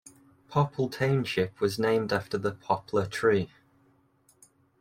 Popple Township was named after the poplar tree.